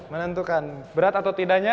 menentukan berat atau tidaknya